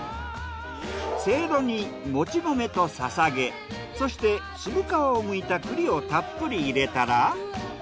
せいろにもち米とささげそして渋皮を剥いた栗をたっぷり入れたら。